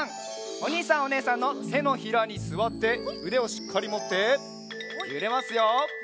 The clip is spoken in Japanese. おにいさんおねえさんのてのひらにすわってうでをしっかりもってゆれますよ。